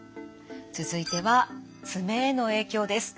続いては爪への影響です。